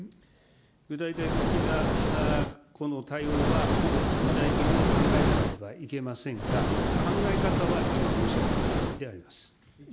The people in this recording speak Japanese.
具体的なこの対応は、個別具体的に考えなければいけませんが、考え方は今申し上げたとおりであります。